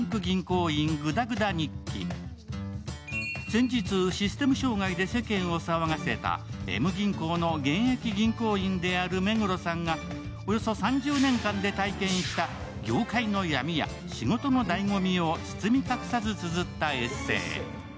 先日、システム障害で世間を騒がせたＭ銀行の現役銀行員である目黒さんがおよそ３０年間で体験した業界の闇や仕事の醍醐味を包み隠さずつづったエッセー。